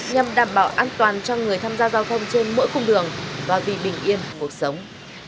nhằm đảm bảo an toàn cho người tham gia giao thông trên mỗi cung đường và vì bình yên cuộc sống